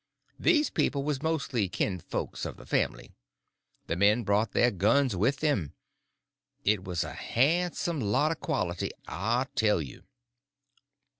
These people was mostly kinfolks of the family. The men brought their guns with them. It was a handsome lot of quality, I tell you.